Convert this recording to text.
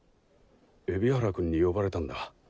海老原君に呼ばれたんだ。